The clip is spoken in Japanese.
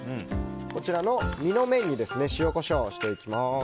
こちらの身の面に塩、コショウをしていきます。